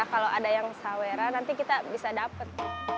kalau ada yang sawera nanti kita bisa dapat